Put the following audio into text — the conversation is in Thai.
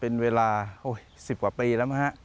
เป็นเวลา๑๐กว่าปีแล้วนะครับ